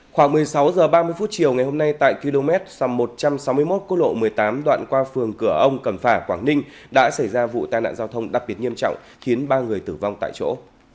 khoảng một mươi sáu h ba mươi phút chiều ngày hôm nay tại km một trăm sáu mươi một cô lộ một mươi tám đoạn qua phường cửa ông cầm phả quảng ninh đã xảy ra vụ tai nạn giao thông đặc biệt nghiêm trọng khiến ba người tử vong tại chỗ